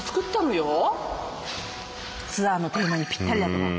ツアーのテーマにぴったりだね。